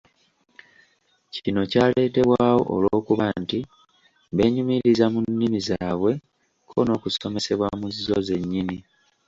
Kino kyaleetebwawo olw'okuba nti benyumiriza mu nnimi zaabwe kko n'okusomesebwa mu zzo zenyini.